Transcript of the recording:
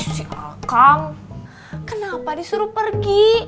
si akam kenapa disuruh pergi